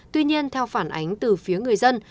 tuy nhiên theo phản ánh từ phía người dân